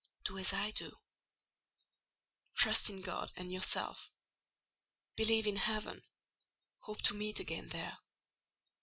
"Do as I do: trust in God and yourself. Believe in heaven. Hope to meet again there."